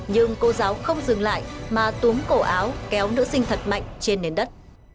nhưng cô giáo không dừng lại mà túm cổ áo kéo nữ sinh thật mạnh trên nền đất